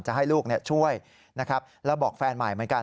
ให้ลูกช่วยนะครับแล้วบอกแฟนใหม่เหมือนกัน